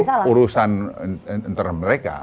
nah itu urusan antara mereka